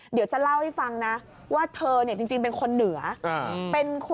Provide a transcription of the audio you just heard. เดี๋ยวจะเล่าให้ฟังนะว่าเธอจริงเป็นคนเหนือ